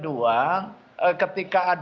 di jela janwal